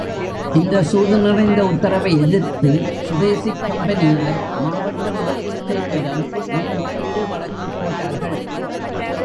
இந்த சூது நிறைந்த உத்தரவை எதிர்த்து சுதேசிக் கம்பெனியார் மாவட்ட மாஜிஸ்திரேட்டிடம் மேல் முறையீடு வழக்குப் போட்டார்கள்.